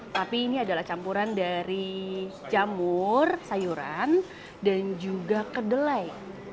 tapi ini adalah campuran dari jamur sayuran dan juga kedelai